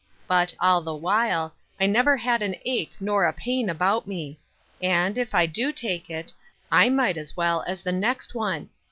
But, all the while, I never had an ache nor a pain about me ; and, if I do take it, I might as well as the next one.